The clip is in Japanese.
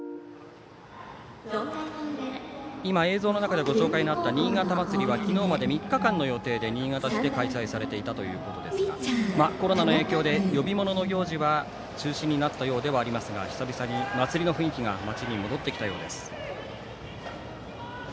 今、映像の中でご紹介のあった新潟まつりは昨日まで３日間の予定で新潟市で開催されていたということですがコロナの影響で呼び物の行事は中止になったようですが久々に祭りの雰囲気が街に戻ってきたようです。